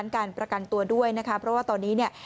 การประกันตัวด้วยนะคะเพราะว่าตอนนี้เนี่ย